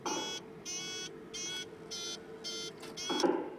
El verde heráldico se denomina sinople o sínople.